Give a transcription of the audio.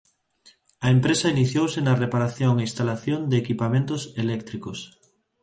A empresa iniciouse na reparación e instalación de equipamentos eléctricos.